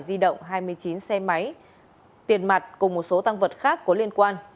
di động hai mươi chín xe máy tiền mặt cùng một số tăng vật khác có liên quan